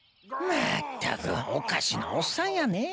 まったくおかしなおっさんやねえ。